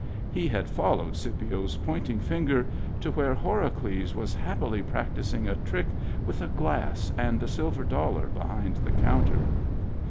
He had followed Scipio's pointing finger to where Horacles was happily practising a trick with a glass and a silver dollar behind the counter.